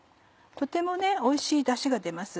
とてもおいしいダシが出ます。